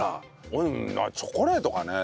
俺チョコレートかね。